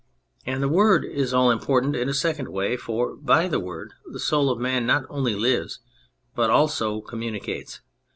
And the Word is all important in a second way, for by the Word the soul of man not only lives but also communicates.